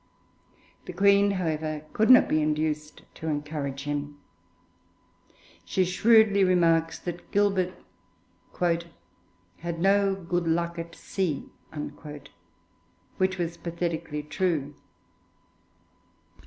The Queen, however, could not be induced to encourage him; she shrewdly remarked that Gilbert 'had no good luck at sea,' which was pathetically true.